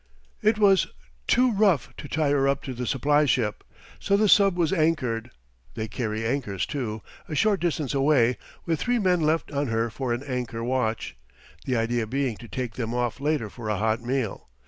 It was too rough to tie her up to the supply ship, so the sub was anchored they carry anchors too a short distance away, with three men left on her for an anchor watch, the idea being to take them off later for a hot meal.